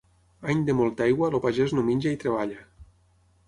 Any de molta aigua, el pagès no menja i treballa.